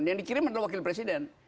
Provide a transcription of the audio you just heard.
yang dikirim adalah wakil presiden